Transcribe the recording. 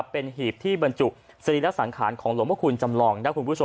เป็นหีบที่บรรจุสินีและสังขารของหลวงพระคุณจำลอง